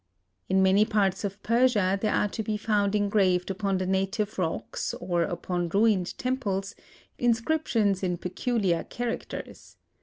In many parts of Persia, there are to be found engraved upon the native rocks, or upon ruined temples, inscriptions in peculiar characters.